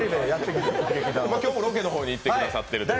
今日もロケの方に行ってくださっているという。